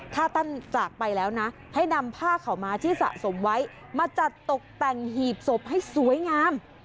ถ้าท่านจากไปแล้วนะให้นำผ้าข่าวม้าที่สะสมไว้มาจัดตกแต่งหีบศพให้สวยงาม